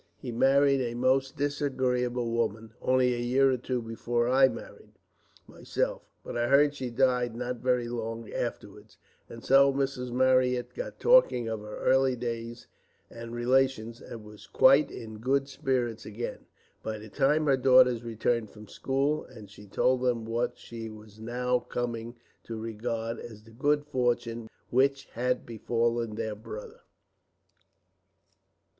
He married a most disagreeable woman, only a year or two before I married, myself. But I heard she died not very long afterwards;" and so Mrs. Marryat got talking of her early days and relations, and was quite in good spirits again, by the time her daughters returned from school; and she told them what she was now coming to regard as the good fortune which had befallen their brother.